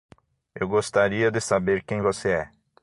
Eu gostaria de saber quem você é.